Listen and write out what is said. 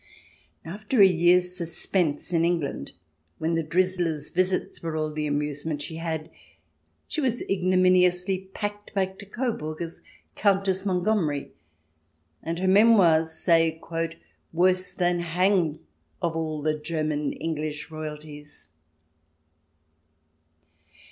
After a year's suspense in England, when the " drizzler's " visits were all the amusement she had, she was ignominiously packed back to Coburg as Countess Montgomery, and, her memoirs say, " worse than hang" of all the German English royalties.